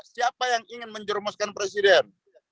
siapa yang ingin menjerumuskan presiden